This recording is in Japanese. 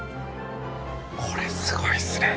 これすごいですね。